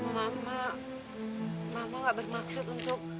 mama mama gak bermaksud untuk